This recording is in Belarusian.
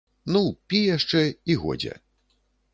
Ну, пі яшчэ, і годзе.